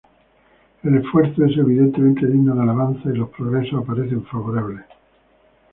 El esfuerzo es evidentemente digno de alabanza y los progresos aparecen favorables.